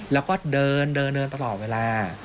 และก็เดินตลอดเวลา